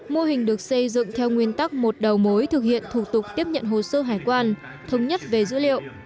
mô hình được xây dựng theo nguyên tắc một đầu mối thực hiện thủ tục tiếp nhận hồ sơ hải quan thống nhất về dữ liệu